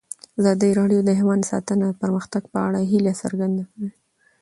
ازادي راډیو د حیوان ساتنه د پرمختګ په اړه هیله څرګنده کړې.